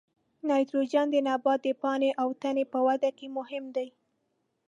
نایتروجن د نبات د پاڼې او تنې په وده کې مهم دی.